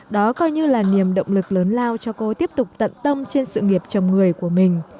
đó coi như là niềm động lực lớn lao cho cô tiếp tục tận tâm trên sự nghiệp chồng người của mình